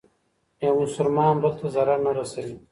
يو مسلمان بل ته ضرر نه رسوي.